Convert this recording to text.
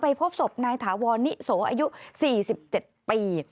พบศพนายถาวรนิโสอายุ๔๗ปี